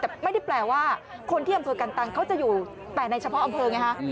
แต่ไม่ได้แปลว่าคนที่อำเภอกันตังเขาจะอยู่แต่ในเฉพาะอำเภอไงฮะ